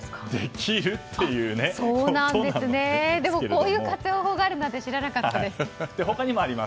こういう活用法があるなんて知らなかったです。